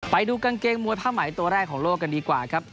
ไปดูกางเกงมวยผ้าไหมตัวแรกของโลกกันดีกว่าครับ